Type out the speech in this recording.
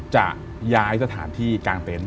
จะย้ายสถานที่กลางเต็นต์